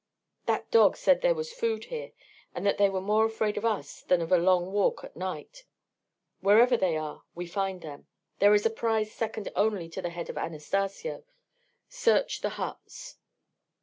"That dog said there was food here, and that they were more afraid of us than of a long walk at night. Wherever they are, we find them. They are a prize second only to the head of Anastacio. Search the huts."